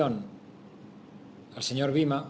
kepada coach bima